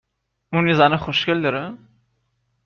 اون یه زن خوشکل داره؟